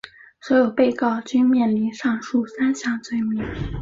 所有被告均面临上述三项罪名。